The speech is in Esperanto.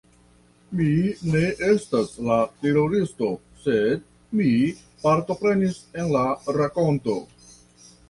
Mi ne estas la teroristo, sed mi partoprenis en la rakonto